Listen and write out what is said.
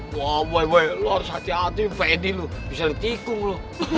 wah baik baik lo harus hati hati pak edi bisa ditikung lo